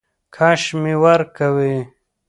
کش مي ورکوی .